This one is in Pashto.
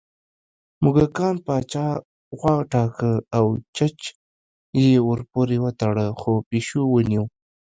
موږکانو پاچا وټاکه او چج یې ورپورې وتړه خو پېشو ونیوه